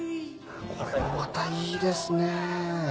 これまたいいですね。